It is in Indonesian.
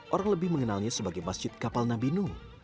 orang lebih mengenalnya sebagai masjid kapal nabi nu